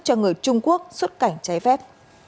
cho người trung quốc xuất cảnh trái phép